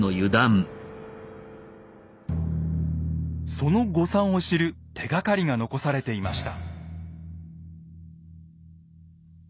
その誤算を知る手がかりが残されていました。